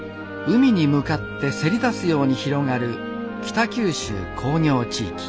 海に向かってせり出すように広がる北九州工業地域